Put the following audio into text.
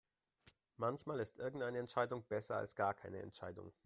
Manchmal ist irgendeine Entscheidung besser als gar keine Entscheidung.